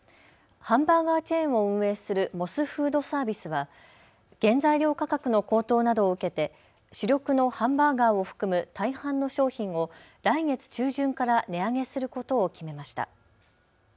ハンバーガーチェーンを運営するモスフードサービスは原材料価格の高騰などを受けて主力のハンバーガーを含む大半の商品を来月中旬から値上げすることを決めました。